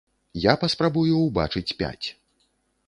Я паспрабую ўбачыць пяць.